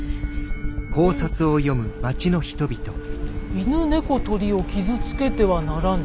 犬猫鶏を傷つけてはならぬ。